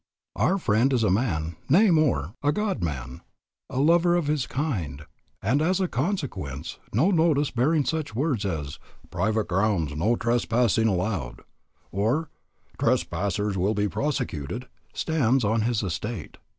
Our friend is a man, nay more, a God man, a lover of his kind, and as a consequence no notice bearing such words as "Private grounds, no trespassing allowed," or "Trespassers will be prosecuted," stands on his estate.